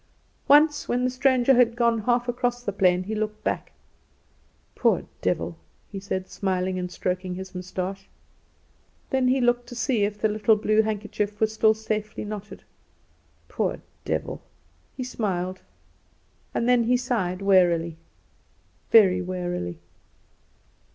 Once when the stranger had gone half across the plain he looked back. "Poor devil," he said, smiling and stroking his moustache. Then he looked to see if the little blue handkerchief were still safely knotted. "Poor devil!" He smiled, and then he sighed wearily, very wearily.